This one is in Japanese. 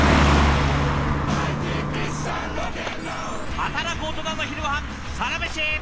働くオトナの昼ごはんサラメシ！